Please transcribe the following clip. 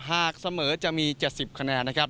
หากเสมอจะมี๗๐คะแนนนะครับ